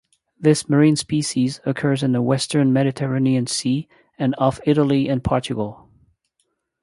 This marine species occurs in the Western Mediterranean Sea and off Italy and Portugal.